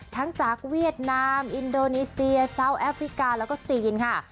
ทั้งจากเวียดนามอินโดนีเซียซาวแอฟริกาแล้วก็จีนค่ะ